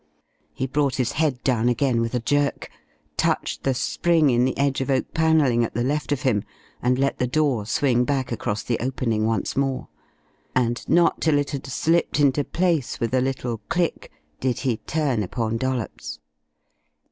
He brought his head down again with a jerk, touched the spring in the edge of oak panelling at the left of him, and let the door swing back across the opening once more; and not till it had slipped into place with a little click did he turn upon Dollops.